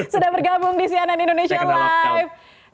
sudah bergabung di cnn indonesia live